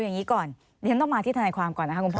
อย่างนี้ก่อนดิฉันต้องมาที่ทนายความก่อนนะคะคุณพ่อ